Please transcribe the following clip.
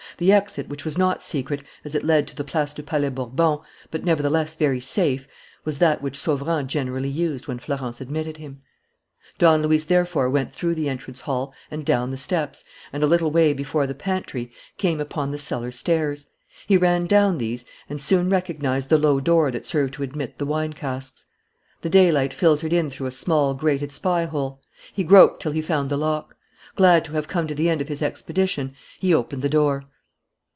The exit, which was not secret, as it led to the Place du Palais Bourbon, but nevertheless very safe, was that which Sauverand generally used when Florence admitted him. Don Luis therefore went through the entrance hall and down the steps and, a little way before the pantry, came upon the cellar stairs. He ran down these and soon recognized the low door that served to admit the wine casks. The daylight filtered in through a small, grated spy hole. He groped till he found the lock. Glad to have come to the end of his expedition, he opened the door.